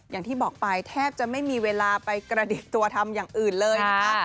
อย่างที่บอกไปแทบจะไม่มีเวลาไปกระดิกตัวทำอย่างอื่นเลยนะคะ